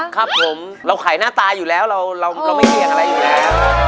ครับผมเราขายหน้าตาอยู่แล้วเราไม่เสี่ยงอะไรอยู่แล้ว